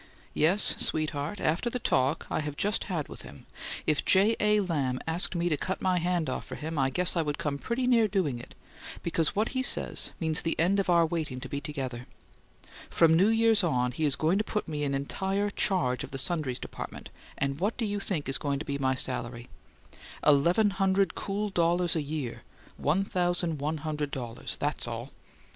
Yes, sweetheart, after the talk I have just had with him if J. A. Lamb asked me to cut my hand off for him I guess I would come pretty near doing it because what he says means the end of our waiting to be together. From New Years on he is going to put me in entire charge of the sundries dept. and what do you think is going to be my salary? Eleven hundred cool dollars a year ($1,100.00). That's all!